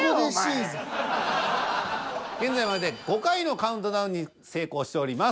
現在まで５回のカウントダウンに成功しております。